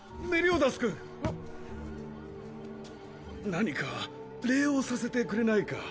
何か礼をさせてくれないか。